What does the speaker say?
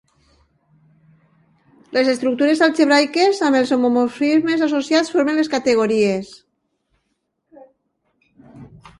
Les estructures algebraiques, amb els homomorfismes associats, formen les categories.